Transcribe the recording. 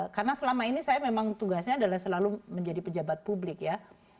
karena selama ini saya memang tugasnya adalah selalu menjadi pejabat publik ya